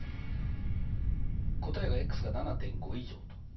答えがが７．５以上と。